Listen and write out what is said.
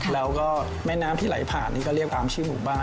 แล้วก็แม่น้ำที่ไหลผ่านนี่ก็เรียกตามชื่อหมู่บ้าน